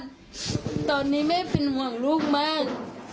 ตอนนี้แม่เป็นห่วงลูกมาก